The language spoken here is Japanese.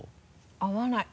合わない。